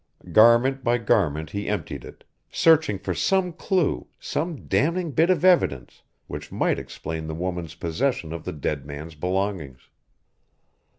Garment by garment he emptied it, searching for some clue, some damning bit of evidence, which might explain the woman's possession of the dead man's belongings.